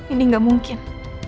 ini enggak mungkin